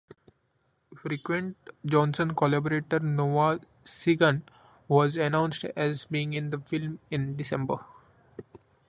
Frequent Johnson collaborator Noah Segan was announced as being in the film in December.